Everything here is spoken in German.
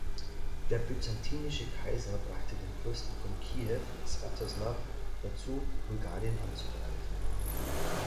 Der byzantinische Kaiser brachte den Fürsten von Kiew, Swjatoslaw, dazu, Bulgarien anzugreifen.